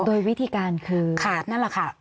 โดยวิธีการคือขาดนั่นแหละค่ะ